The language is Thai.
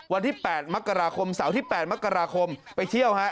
วันที่๘มกราคมเสาร์ที่๘มกราคมไปเที่ยวฮะ